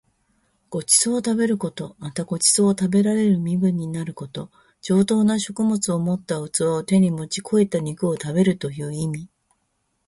ご馳走を食べること。また、ご馳走を食べられる身分になること。上等な食物を盛った器を手に持ち肥えた肉を食べるという意味。